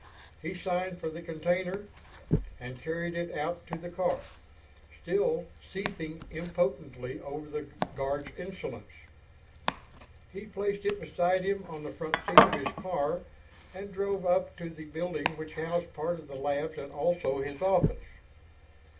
He signed for the container, and carried it out to the car, still seething impotently over the guard's insolence. He placed it beside him on the front seat of his car and drove up to the building which housed part of the labs and also his office.